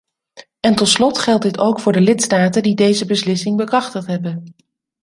En tot slot geldt dit ook voor de lidstaten die deze beslissing bekrachtigd hebben.